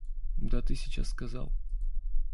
Да ты сейчас сказал...